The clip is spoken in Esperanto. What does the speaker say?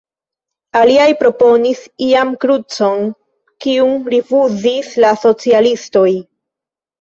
Aliaj proponis ian krucon, kiun rifuzis la socialistoj.